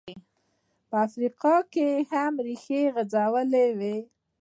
په افریقا کې یې هم ریښې غځولې وې.